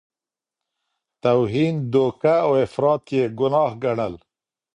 توهین، دوکه او افراط یې ګناه ګڼل.